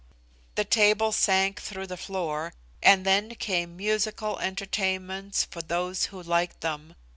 The tables sank through the floor, and then came musical entertainments for those who liked them.